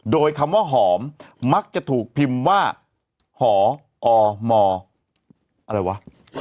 โดยคำว่าหอมมักจะถูกพิมพ์ว่าหออมอะไรวะ